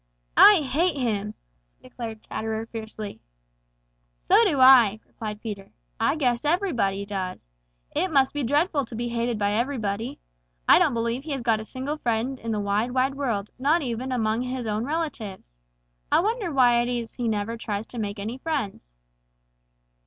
"I hate him!" declared Chatterer fiercely. "So do I," replied Peter. "I guess everybody does. It must be dreadful to be hated by everybody. I don't believe he has got a single friend in the wide, wide world, not even among his own relatives. I wonder why it is he never tries to make any friends."